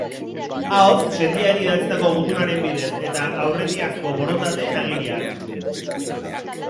Ahoz, sendiari idatzitako gutunaren bidez eta aurretiazko borontateen agirian.